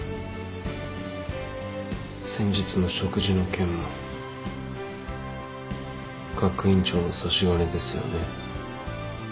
先日の食事の件も学院長の差し金ですよね？